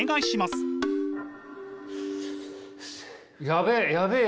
やべえ！